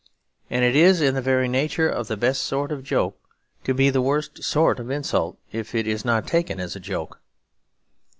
And it is in the very nature of the best sort of joke to be the worst sort of insult if it is not taken as a joke.